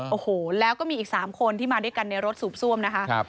โอ้โหแล้วก็มีอีก๓คนที่มาด้วยกันในรถสูบซ่วมนะคะ